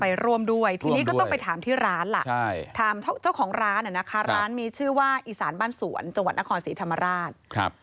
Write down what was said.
ไปร่วมด้วยทีนี้ก็ต้องไปถามที่ร้านล่ะถามเจ้าของร้านนะคะร้านมีชื่อว่าอีสานบ้านสวนจังหวัดนครศรีธรรมราช